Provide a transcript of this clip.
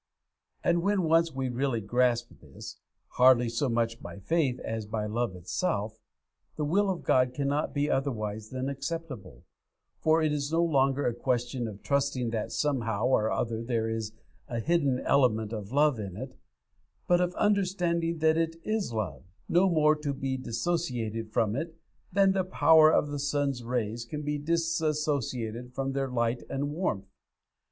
And when once we really grasp this (hardly so much by faith as by love itself), the will of God cannot be otherwise than acceptable, for it is no longer a question of trusting that somehow or other there is a hidden element of love in it, but of understanding that it is love; no more to be dissociated from it than the power of the sun's rays can be dissociated from their light and warmth.